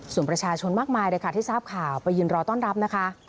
ส่วนประชาชนมากมายเลยค่ะที่ทราบข่าวไปยืนรอต้อนรับนะคะ